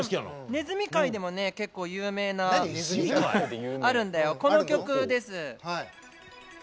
ねずみ界でも結構、有名なのあるんだよ、この曲です。